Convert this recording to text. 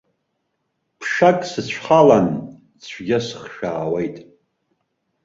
Ԥшак сыцәхалан, цәгьа сыхшәаауеит.